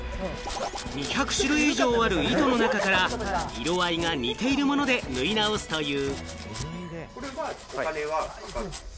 ２００種類以上ある糸の中から、色合いが似ているもので、縫い直すという。